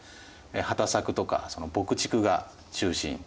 畑作とか牧畜が中心です。